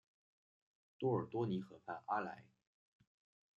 多尔多尼河畔阿莱。